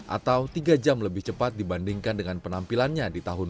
atau tiga jam lebih cepat dibandingkan dengan penampilannya di tahun dua ribu dua puluh